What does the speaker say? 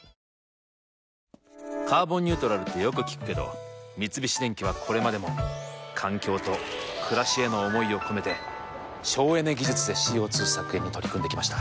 「カーボンニュートラル」ってよく聞くけど三菱電機はこれまでも環境と暮らしへの思いを込めて省エネ技術でＣＯ２削減に取り組んできました。